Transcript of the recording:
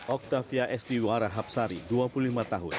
octavia estiwara hapsari dua puluh lima tahun